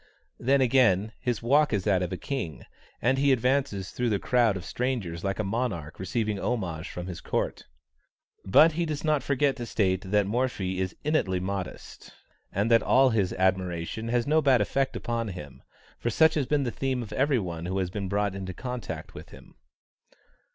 Then again, "his walk is that of a king, and he advances through the crowd of strangers like a monarch receiving homage from his court." But he does not forget to state that Morphy is innately modest, and that all this admiration has no bad effect upon him; for such has been the theme of every one who has been brought in contact with him.